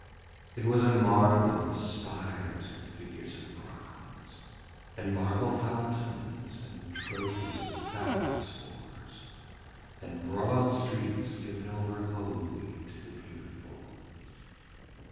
It was a marvel of spires and figures of bronze, and marble fountains, and trophies of fabulous wars, and broad streets given over wholly to the Beautiful.